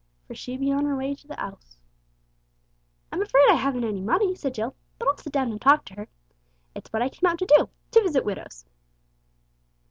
for she be on her way to the 'ouse." "I'm afraid I haven't any money," said Jill, "but I'll sit down and talk to her. It's what I came out to do to visit widows."